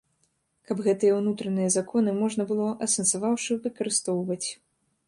Каб гэтыя ўнутраныя законы можна было, асэнсаваўшы, выкарыстоўваць.